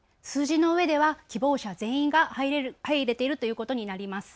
数字の上では希望者全員が入れているということになります。